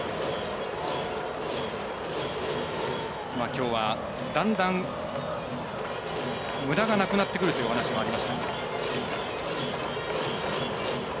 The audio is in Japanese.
きょうは、だんだんむだがなくなってくるというお話がありました。